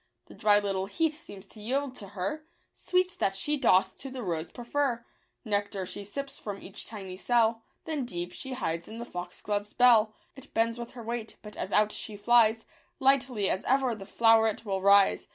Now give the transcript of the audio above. The dry little heath seems to yield to her Sweets that she doth to the rose prefer ; Nectar she sips from each tiny cell. Then deep she hides in the foxglove's bell. It bends with her weight, but, as out she flies, Lightly as ever the flow'ret will rise.